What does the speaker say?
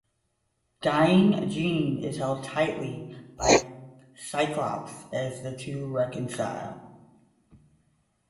Dying, Jean is held tightly by Cyclops as the two reconcile.